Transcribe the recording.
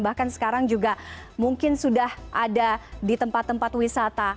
bahkan sekarang juga mungkin sudah ada di tempat tempat wisata